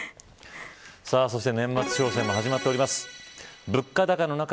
そして年末商戦も始まっております。